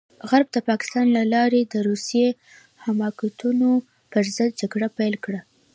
غرب د پاکستان له لارې د روسي حماقتونو پرضد جګړه پيل کړه.